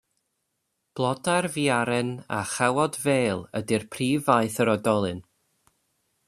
Blodau'r fiaren a chawod fêl ydy prif faeth yr oedolyn.